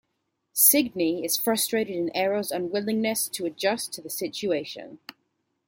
Signe is frustrated in Eero's unwillingness to adjust to the situation.